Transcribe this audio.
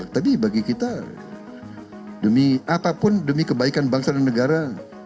tapi bagi kita demi apapun demi kebaikan bangsa dan negara